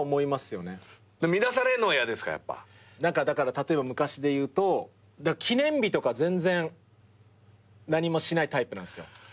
例えば昔でいうと記念日とか全然何もしないタイプなんすよ。